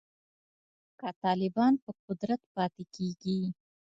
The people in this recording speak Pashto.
که طالبان په قدرت پاتې کیږي